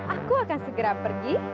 aku akan segera pergi